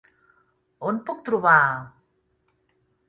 On puc trobar...?